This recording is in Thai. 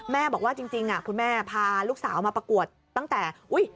บอกว่าจริงคุณแม่พาลูกสาวมาประกวดตั้งแต่อุ๊ย